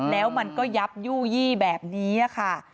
แล้วมันก็ยับยู่ยี่แบบนี้ค่ะ